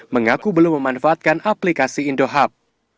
mengaku belum memanfaatkan aplikasi indohub